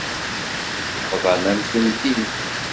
Bḍan-am-tent-id.